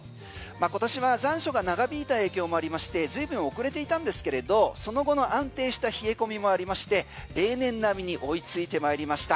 今年は残暑が長引いた影響もありましてずいぶん遅れていたんですけれどその後の安定した冷え込みもありまして例年並みに追いついてまいりました。